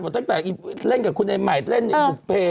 ตั้งแต่เล่นกับคุณไอ้ใหม่เล่นในบุฟเฟ่